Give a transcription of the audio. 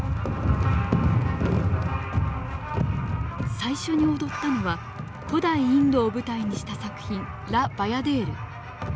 最初に踊ったのは古代インドを舞台にした作品「ラ・バヤデール」。